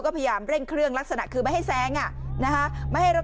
ก็พยายามเร่งเครื่องลักษณะคือไม่ให้แซงอ่ะนะคะไม่ให้รถ